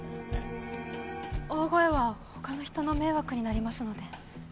大声は他の人の迷惑になりますので。